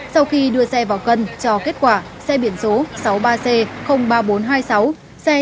sau khi đưa xe vào cân cho kết quả xe biển số sáu mươi ba c ba nghìn bốn trăm hai mươi sáu xe trở quá tải trọng đến một trăm năm mươi